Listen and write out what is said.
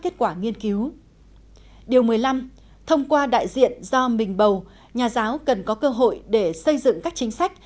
điều một mươi năm thông qua đại diện do mình bầu nhà giáo cần có cơ hội để xây dựng các chính sách